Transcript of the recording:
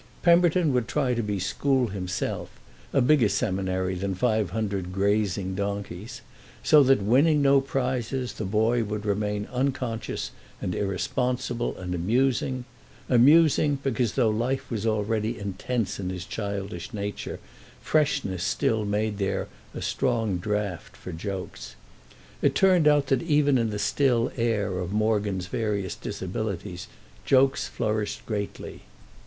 Pemberton would try to be school himself—a bigger seminary than five hundred grazing donkeys, so that, winning no prizes, the boy would remain unconscious and irresponsible and amusing—amusing, because, though life was already intense in his childish nature, freshness still made there a strong draught for jokes. It turned out that even in the still air of Morgan's various disabilities jokes flourished greatly.